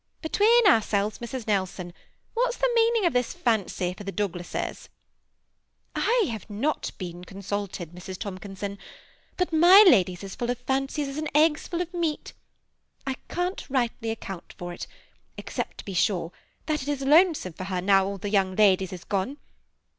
Between ourselves, Mrs. Nelson, what 's the meaning of this fancy for the Douglases ?"^ I have not been consulted, Mrs. Tomkinson ; but my lady 's as full of fancies as an egg 's full of meat. I can't rightly account for it, except, to be sure, that it is lonesome for her now all the young ladies is gone.